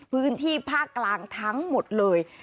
พื้นที่ภาคกลางทั้งหมดเลย